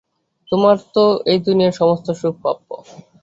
তোমার তো এই দুনিয়ার সমস্ত সুখ প্রাপ্য।